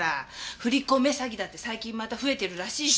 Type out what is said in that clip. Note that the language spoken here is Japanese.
振り込め詐欺だって最近また増えてるらしいし。